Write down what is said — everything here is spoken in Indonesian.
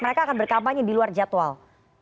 mereka akan berkampanye diluar jadwal